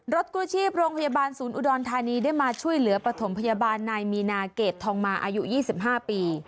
กู้ชีพโรงพยาบาลศูนย์อุดรธานีได้มาช่วยเหลือปฐมพยาบาลนายมีนาเกรดทองมาอายุ๒๕ปี